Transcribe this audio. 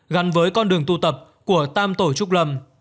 gắn với con đường tu tập của tam tổ trúc lâm